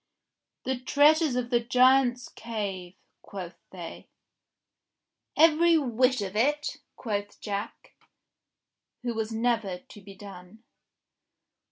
"The treasures of the Giant's Cave," quoth they. "Every whit of it.^" quoth Jack, who was never to be done.